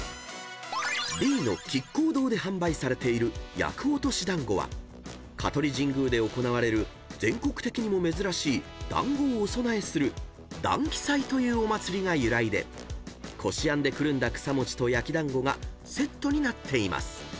［Ｂの「亀甲堂」で販売されている厄落しだんごは香取神宮で行われる全国的にも珍しい団子をお供えする団碁祭というお祭りが由来でこしあんでくるんだ草餅と焼きだんごがセットになっています］